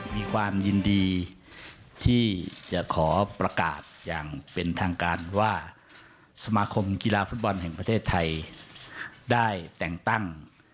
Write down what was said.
มีความยินดีที่จะขอประกาศอย่างเป็นทางการว่าสมาคมกีฬาฟุตบอลแห่งประเทศไทยได้แต่งตั้ง